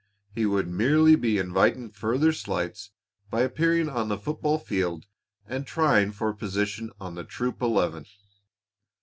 He would merely be inviting further slights by appearing on the football field and trying for a position on the troop eleven.